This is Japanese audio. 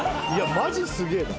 マジすげえな。